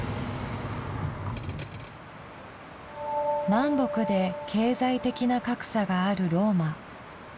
南北で経済的な格差があるローマ。